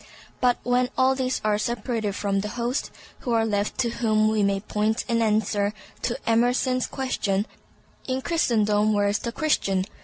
But when all these are separated from the host, who are left to whom we may point in answer to Emerson's question, "In Christendom, where is the Christian?"